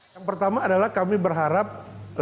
yang pertama adalah kami berharap level perusahaan